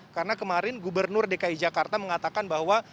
karena kemarin gubernur dki jakarta mengatakan bahwa